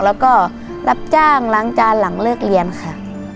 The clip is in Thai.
แล้วก็รับจ้างล้างจานหลังเลิกเรียนค่ะ